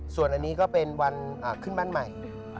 ส่วนอันนี้ก็เป็นวันขึ้นบ้านใหม่